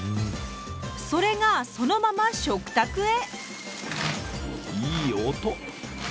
それがそのまま食卓へ！